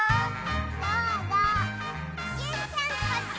どうぞジュンちゃんこっち！